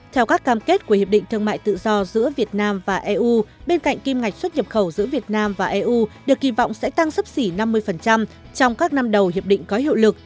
theo các cam kết của hiệp định thương mại tự do giữa việt nam và eu bên cạnh kim ngạch xuất nhập khẩu giữa việt nam và eu được kỳ vọng sẽ tăng sấp xỉ năm mươi trong các năm đầu hiệp định có hiệu lực